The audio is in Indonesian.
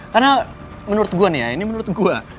karena menurut gue nih ya ini menurut gue